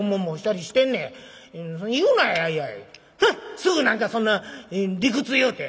すぐ何かそんな理屈言うて」。